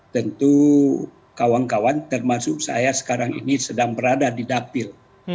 tentu kawan kawan termasuk saya sekarang ini sedang berada di dapil